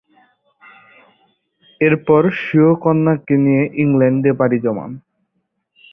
এরপর স্বীয় কন্যাকে নিয়ে ইংল্যান্ডে পাড়ি জমান।